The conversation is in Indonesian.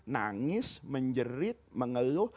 nangis menjerit mengeluh